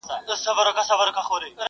میخانه ده نړېدلې تش له میو ډک خُمونه.!